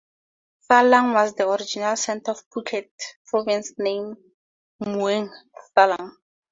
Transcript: Thalang was the original center of Phuket province, then named "Mueang" Thalang.